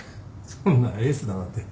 そんなエースだなんて